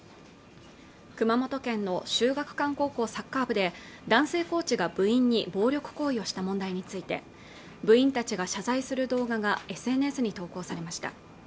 熊本県の秀岳館高校サッカー部で男性コーチが部員に暴力行為をした問題について部員たちが謝罪する動画がＳＮＳに投稿されました